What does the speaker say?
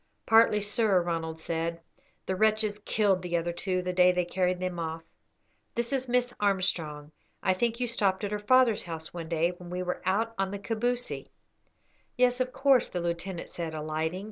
"Partly, sir," Ronald said. "The wretches killed the other two the day they carried them off. This is Miss Armstrong. I think you stopped at her father's house one day when we were out on the Kabousie." "Yes, of course," the lieutenant said, alighting.